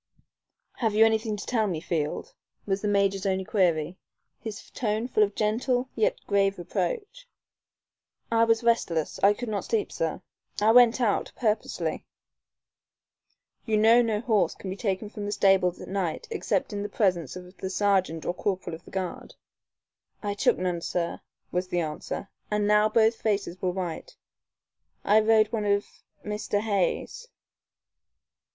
"Have you anything to tell me, Field?" was the major's only query, his tone full of gentle yet grave reproach. "I was restless. I could not sleep, sir. I went out purposely." "You know no horse can be taken from the stables at night except in presence of the sergeant or corporal of the guard." "I took none, sir," was the answer, and now both faces were white. "I rode one of Mr. Hay's."